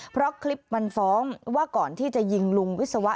เพราะคลิปมันฟ้องว่าก่อนที่จะยิงลุงวิศวะ